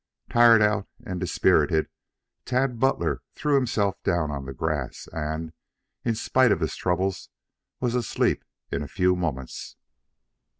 Tired out and dispirited, Tad Butler threw himself down on the grass and, in spite of his troubles, was asleep in a few moments.